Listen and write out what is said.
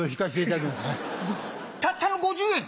たったの５０円？